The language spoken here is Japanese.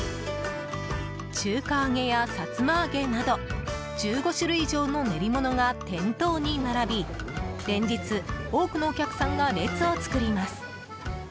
中華揚げや、さつま揚げなど１５種類以上の練り物が店頭に並び連日多くのお客さんが列を作ります。